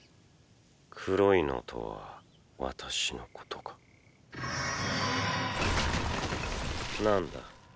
黒いのとは私のことかなんだ。